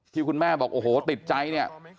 ที่คุณแม่บอกโอ้โหติดใจเนี่ย